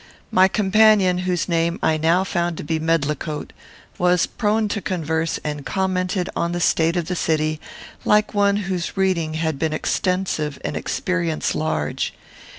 My companion, whose name I now found to be Medlicote, was prone to converse, and commented on the state of the city like one whose reading had been extensive and experience large.